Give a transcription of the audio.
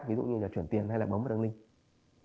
ví dụ như là chuyển tiền hay là bấm vào đường link